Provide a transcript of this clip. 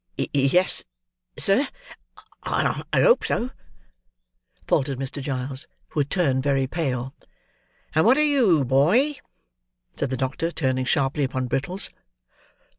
"Yes, sir, I hope so," faltered Mr. Giles, who had turned very pale. "And what are you, boy?" said the doctor, turning sharply upon Brittles.